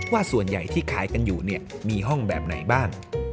ว่าส่วนใหญ่ที่ขายกันอยู่เนี่ยมีห้องแบบไหนบ้าง